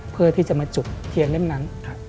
เพื่อที่จะมาจุดเทียนเล่มนั้น